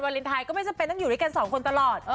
เลนไทยก็ไม่จำเป็นต้องอยู่ด้วยกันสองคนตลอด